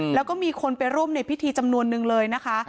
แล้วก็มีคนไปร่วมในพิธีจำนวนนึงเลยนะคะ